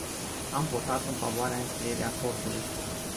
Am votat în favoarea încheierii acordului.